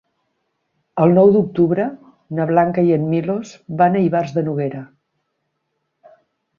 El nou d'octubre na Blanca i en Milos van a Ivars de Noguera.